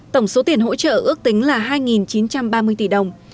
tổng số tiền hỗ trợ ước tính là hai chín trăm ba mươi tỷ đồng